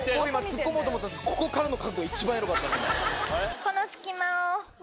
ツッコもうと思ったんですけどここからの角度が一番エロかったんで。